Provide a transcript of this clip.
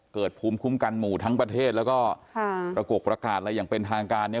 ภูมิคุ้มกันหมู่ทั้งประเทศแล้วก็ประกกประกาศอะไรอย่างเป็นทางการ